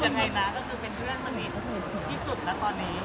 ก็รู้จังไงนะก็คือเป็นเพื่อนสนิทที่สุดนะตอนนี้